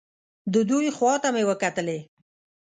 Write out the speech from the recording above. د دوی خوا ته مې وکتلې.